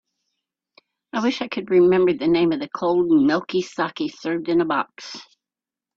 I wish I could remember the name of the cold milky saké served in a box.